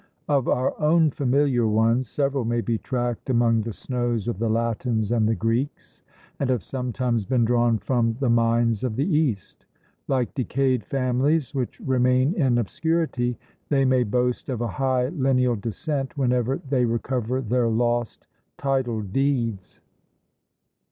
Of our own familiar ones several may be tracked among the snows of the Latins and the Greeks, and have sometimes been drawn from "The Mines of the East:" like decayed families which remain in obscurity, they may boast of a high lineal descent whenever they recover their lost title deeds.